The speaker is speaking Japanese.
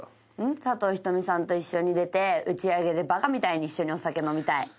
佐藤仁美さんと出て打ち上げでバカみたいに一緒にお酒飲みたい。